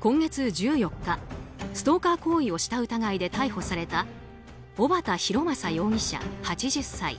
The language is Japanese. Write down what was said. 今月１４日、ストーカー行為をした疑いで逮捕された小畑洋正容疑者、８０歳。